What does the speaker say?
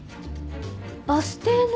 バス停の？